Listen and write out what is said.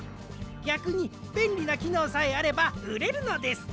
ぎゃくにべんりなきのうさえあればうれるのです。